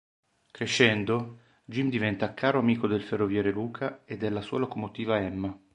Crescendo, Jim diventa caro amico del ferroviere Luca e della sua locomotiva Emma.